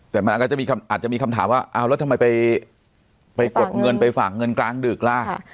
แต่มันก็จะมีอาจจะมีคำถามว่าเอาแล้วทำไมไปกดเงินไปฝากเงินกลางดึกล่ะ